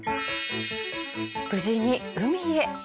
無事に海へ。